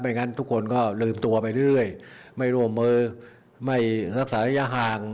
ไม่งั้นทุกคนก็ลืมตัวไปเรื่อยเรื่อยไม่รวมเมอร์ไม่รักษาแรงยาห่าง